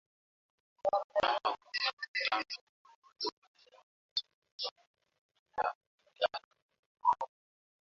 Mnyama kuwa na utando wa madoadoa ya damu kuzunguka moyo ni dalili ya ndigana